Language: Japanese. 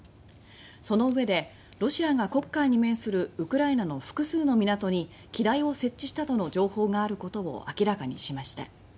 その上で、ロシアが黒海に面するウクライナの複数の港に機雷を設置したとの情報があることを明らかにしました。